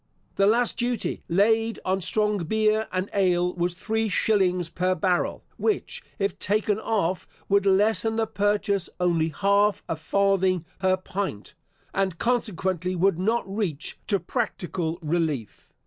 The last duty laid on strong beer and ale was three shillings per barrel, which, if taken off, would lessen the purchase only half a farthing per pint, and consequently, would not reach to practical relief.